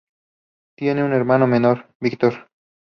Tiene un hermano menor, Viktor.